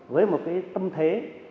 với một cái tâm thế